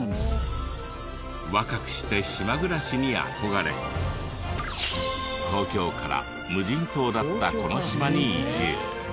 若くして島暮らしに憧れ東京から無人島だったこの島に移住。